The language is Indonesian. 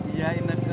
iya ine ke